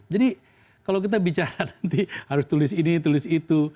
jadi kalau kita bicara nanti harus tulis ini tulis itu